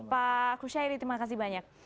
pak kushairi terima kasih banyak